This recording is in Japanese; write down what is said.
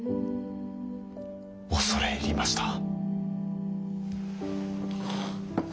恐れ入りました。